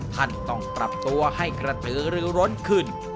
ท่านต้องปรับตัวให้กระตือรือร้นขึ้น